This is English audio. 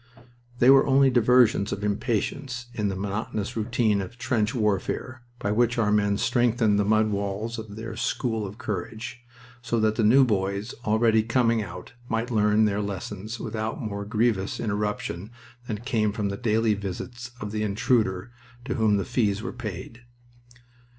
They were only diversions of impatience in the monotonous routine of trench warfare by which our men strengthened the mud walls of their School of Courage, so that the new boys already coming out might learn their lessons without more grievous interruption than came from the daily visits of that Intruder to whom the fees were paid.